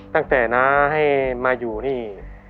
ตั้งแต่น้าให้มาอยู่นี่